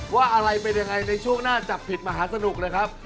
ว่าอะไรเป็นยังไงในช่วงหน้าจับผิดมหาสนุกนะครับ